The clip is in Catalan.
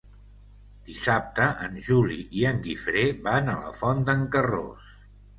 Dissabte en Juli i en Guifré van a la Font d'en Carròs.